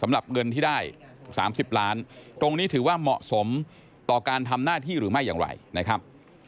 สำหรับเงินที่ได้๓๐ล้านตรงนี้ถือว่าเหมาะสมต่อการทำหน้าที่หรือไม่อย่างไรนะครับ